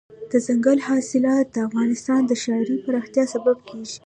دځنګل حاصلات د افغانستان د ښاري پراختیا سبب کېږي.